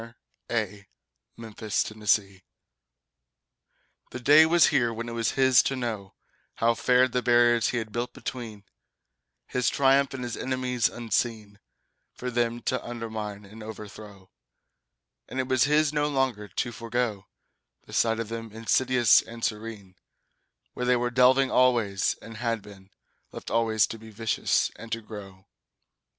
The New Tenants The day was here when it was his to know How fared the barriers he had built between His triumph and his enemies unseen, For them to undermine and overthrow; And it was his no longer to forego The sight of them, insidious and serene, Where they were delving always and had been Left always to be vicious and to grow.